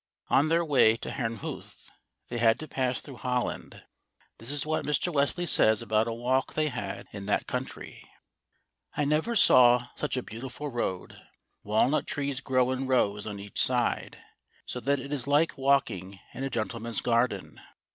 On their way to Herrnhuth, they had to pass through Holland. This is what Mr. Wesley says about a walk they had in that country: I never saw such a beautiful road. Walnut trees grow in rows on each side, so that it is like walking in a gentleman's garden.